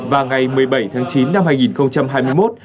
và ngày một mươi bảy tháng chín năm hai nghìn hai mươi một